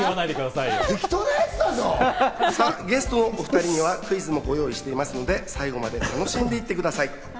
さぁ、ゲストのお２人にはクイズもご用意していますので、最後まで楽しんでいってください。